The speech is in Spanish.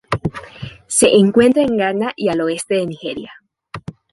Se encuentra en Ghana y al oeste de Nigeria.